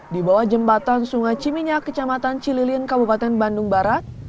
di bawah jembatan sungai ciminyak kecamatan cililin kabupaten bandung barat